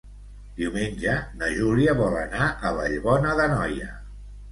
Diumenge na Júlia vol anar a Vallbona d'Anoia.